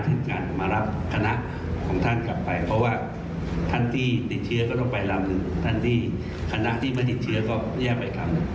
ทั้งท่านที่คณะดินเชือก็แยะไปครั้ง